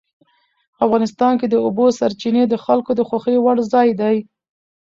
افغانستان کې د اوبو سرچینې د خلکو د خوښې وړ ځای دی.